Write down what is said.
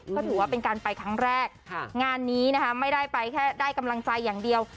ก็ถือว่าเป็นการไปครั้งแรกงานนี้นะคะไม่ได้ไปแค่ได้กำลังใจอย่างเดียว